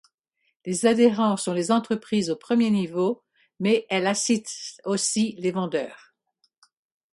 Les adhérents sont les entreprises au premier niveau, mais elle assiste aussi les vendeurs.